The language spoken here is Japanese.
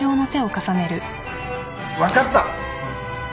分かった！